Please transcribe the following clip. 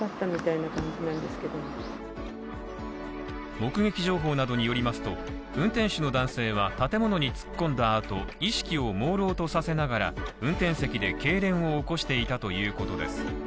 目撃情報などによりますと、運転手の男性は、建物に突っ込んだ後、意識をもうろうとさせながら、運転席で痙攣を起こしていたということです。